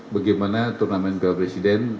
bagaimana turnamen piala presiden